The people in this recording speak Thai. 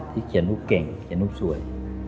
เขียนลูกเก่งเขียนรูปสวย